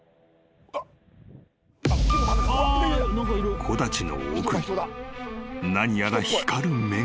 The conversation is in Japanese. ［木立の奥に何やら光る目が］